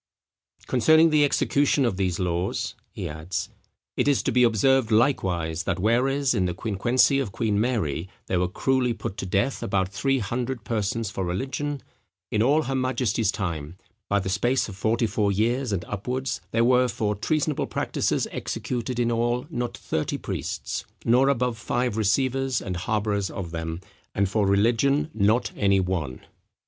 "Concerning the execution of these laws," he adds, "it is to be observed likewise, that whereas in the quinquencey of Queen Mary, there were cruelly put to death about three hundred persons for religion: in all her majesty's time, by the space of forty four years and upwards, there were for treasonable practices executed in all not thirty priests, nor above five receivers and harbourers of them; and for religion not any one."